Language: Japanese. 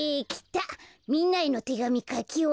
みんなへのてがみかきおわった。